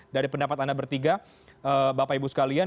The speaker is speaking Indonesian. dari pendapat anda bertiga bapak ibu sekalian